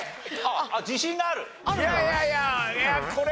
あっ自信がある？